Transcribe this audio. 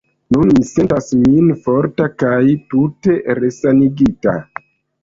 Nun mi sentas min forta kaj tute resanigita.